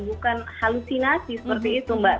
bukan halusinasi seperti itu mbak